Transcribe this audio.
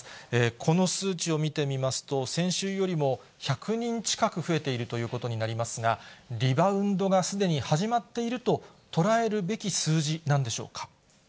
この数値を見てみますと、先週よりも１００人近く増えているということになりますが、リバウンドがすでに始まっていると捉えるべき数字なんでしょうか。